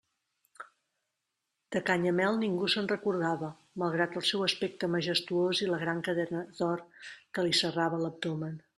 De Canyamel ningú se'n recordava, malgrat el seu aspecte majestuós i la gran cadena d'or que li serrava l'abdomen.